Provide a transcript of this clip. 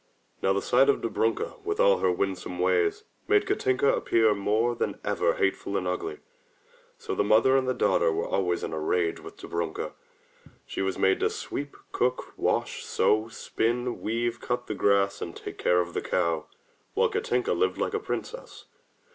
Now the sight of Dobrunka with all her winsome ways, made Katinka appear more than ever hateful and ugly. So the mother and daughter were always in a rage with Dobrunka. She was made to sweep, cook, wash, sew, spin, weave, cut the grass and take care of the cow, while Katinka lived like a princess.